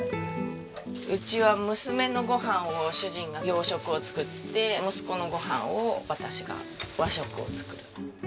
うちは娘のご飯を主人が洋食を作って息子のご飯を私が和食を作る。